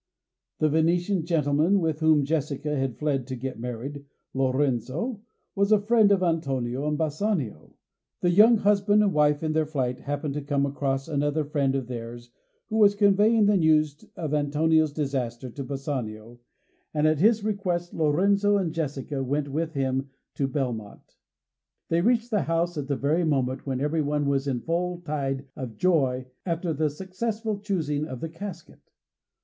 The Venetian gentleman with whom Jessica had fled to get married Lorenzo was a friend of Antonio and Bassanio. The young husband and wife in their flight happened to come across another friend of theirs who was conveying the news of Antonio's disaster to Bassanio, and at his request Lorenzo and Jessica went with him to Belmont. They reached the house at the very moment when everyone was in the full tide of joy after the successful choosing of the casket.